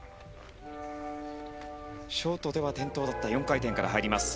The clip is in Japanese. ショートでは転倒だった４回転から入ります。